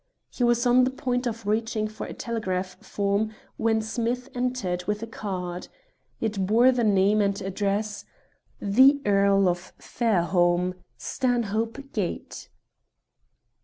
He was on the point of reaching for a telegraph form when Smith entered with a card. It bore the name and address "The Earl of Fairholme, Stanhope Gate."